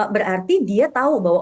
berarti dia tahu bahwa